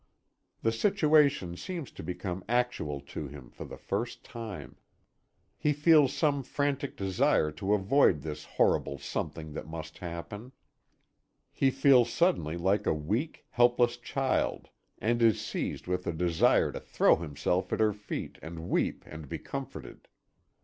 The situation seems to become actual to him for the first time. He feels some frantic desire to avert this horrible something that must happen. He feels suddenly like a weak, helpless child, and is seized with a desire to throw himself at her feet, and weep and be comforted.